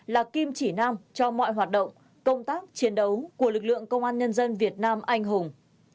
là kim chỉ nam cho mọi hoạt động công tác chiến đấu của lực lượng công an nhân dân việt nam anh hùng